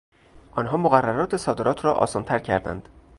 آنها مقررات صادرات را آسانتر کردند.